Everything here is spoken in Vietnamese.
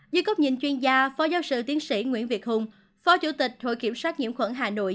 dưới cốc nhìn chuyên gia phó giáo sư tiến sĩ nguyễn việt hùng phó chủ tịch hội kiểm soát nhiễm khuẩn hà nội